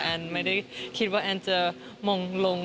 ไม่ได้คิดว่าแอนจะมงลง